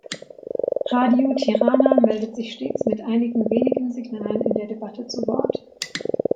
Radio Tirana meldet sich stets mit einigen wenigen Signalen in der Debatte zu Wort.